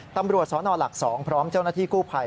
ตำรวจสนหลัก๒พร้อมเจ้าหน้าที่กู้ภัย